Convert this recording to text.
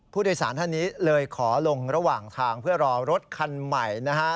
ผู้โดยสารท่านนี้เลยขอลงระหว่างทางเพื่อรอรถคันใหม่นะฮะ